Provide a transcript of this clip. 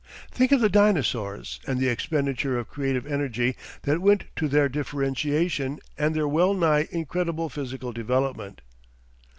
Think of the Dinosaurs and the expenditure of creative energy that went to their differentiation and their well nigh incredible physical development.